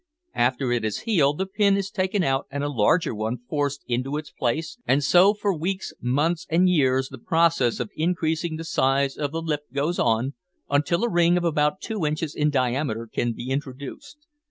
After it is healed the pin is taken out and a larger one forced into its place, and so for weeks, months, and years the process of increasing the size of the lip goes on, until a ring of two inches in diameter can be introduced.